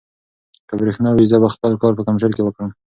که برېښنا وي، زه به خپل کار په کمپیوټر کې وکړم.